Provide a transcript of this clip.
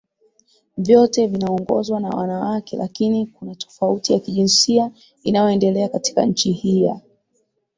vyote vinaongozwa na wanawakeLakini kuna tofauti ya kijinsia inayoendelea katika nchi hii ya